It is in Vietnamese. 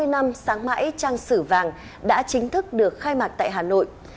sáu mươi năm sáng mãi trang sử vàng đã chính thức được khai mạc tại hà nội